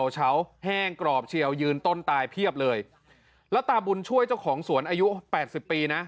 สอบเชียวยืนต้นตายเพียบเลยแล้วตาบุญช่วยเจ้าของสวนอายุ๘๐ปีนะ